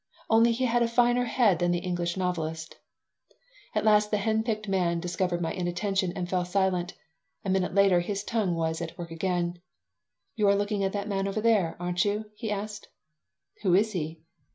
Only he had a finer head than the English novelist At last the henpecked man discovered my inattention and fell silent. A minute later his tongue was at work again "You are looking at that man over there, aren't you?" he asked "Who is he?"